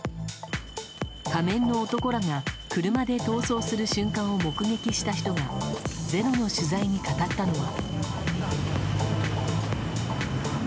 仮面の男らが車で逃走する瞬間を目撃した人が、「ｚｅｒｏ」の取材に語ったのは。